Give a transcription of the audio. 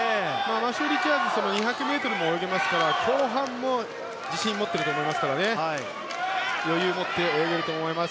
マシュー・リチャーズは２００ｍも泳ぎますから後半も自信を持っていると思いますから余裕を持って泳げると思います。